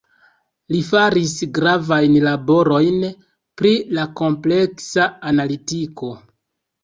Li faris gravajn laborojn pri la kompleksa analitiko.